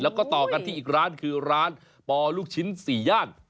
แล้วก็ต่อกันที่อีกร้านคือร้านปอลูกชิ้น๔ย่าน